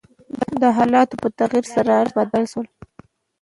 د حالاتو په تغير سره هر څه بدل شول .